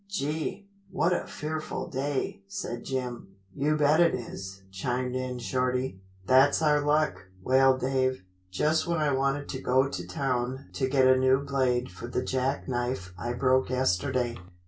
"Gee, what a fearful day," said Jim. "You bet it is," chimed in Shorty. "That's our luck," wailed Dave, "just when I wanted to go to town to get a new blade for the jack knife I broke yesterday."